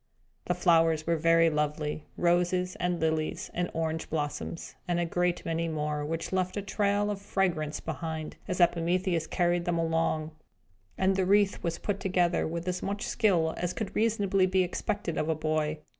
The flowers were very lovely roses, and lilies, and orange blossoms, and a great many more, which left a trail of fragrance behind, as Epimetheus carried them along; and the wreath was put together with as much skill as could reasonably be expected of a boy.